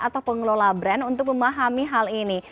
atau pengelola brand untuk memahami hal ini